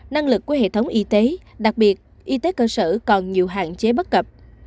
năng lực của hệ thống y tế đặc biệt y tế cơ sở còn nhiều hạn chế bất cập